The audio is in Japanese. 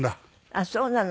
あっそうなの。